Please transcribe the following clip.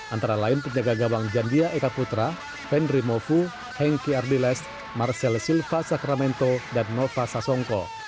antara lain penjaga gawang jandia eka putra fenry mofu henki ardiles marcella silva sacramento dan nova sasongko